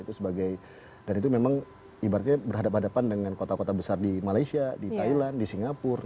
itu sebagai dan itu memang ibaratnya berhadapan hadapan dengan kota kota besar di malaysia di thailand di singapura